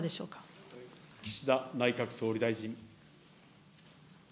岸田内閣総理大臣。